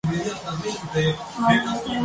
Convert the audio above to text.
La monarquía salió fortalecida de estas Cortes.